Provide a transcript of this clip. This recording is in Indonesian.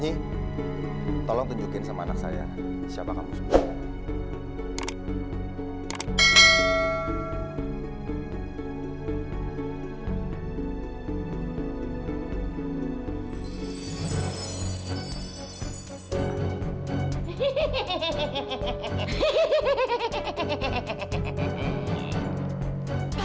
nyi tolong tunjukin sama anak saya siapa kamu sebenarnya